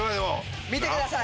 見てください